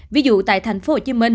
ví dụ tại tp hcm